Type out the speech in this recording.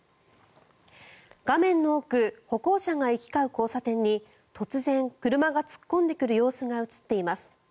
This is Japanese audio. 画面の奥歩行者が行き交う交差点に突然、車が突っ込んでくる様子が映っています。